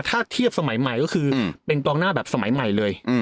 ถ้าเทียบสมัยใหม่ก็คือเป็นกองหน้าแบบสมัยใหม่เลย